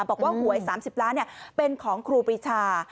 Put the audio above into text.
บอกว่าหวย๓๐ล้านเป็นของครูปรีชา